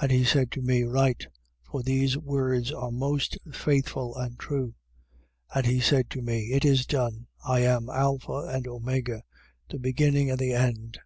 And he said to me: Write. For these words are most faithful and true. 21:6. And he said to me: It is done. I am Alpha and Omega: the Beginning and the End.